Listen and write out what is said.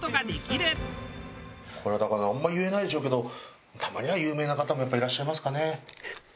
これはだからあんま言えないでしょうけどたまには有名な方もやっぱいらっしゃいますかね？